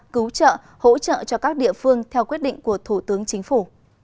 cứu trợ hỗ trợ cho các địa phương theo quyết định của thủ tướng chính phủ